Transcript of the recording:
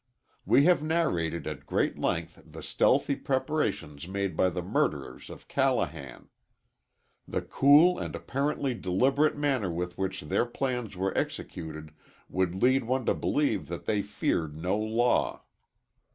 We have narrated at great length the stealthy preparations made by the murderers of Callahan. The cool and apparently deliberate manner with which their plans were executed would lead one to believe that they feared no law.